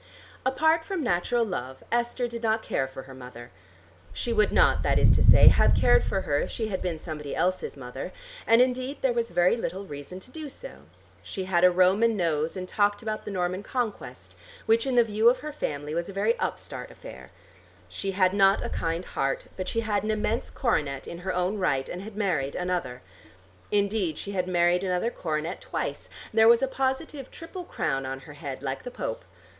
Apart from natural love, Esther did not care for her mother. She would not, that is to say, have cared for her if she had been somebody else's mother, and indeed there was very little reason to do so. She had a Roman nose and talked about the Norman Conquest, which in the view of her family was a very upstart affair. She had not a kind heart, but she had an immense coronet in her own right, and had married another. Indeed she had married another coronet twice: there was a positive triple crown on her head like the Pope.